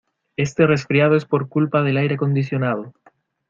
Este resfriado es por culpa del aire acondicionado.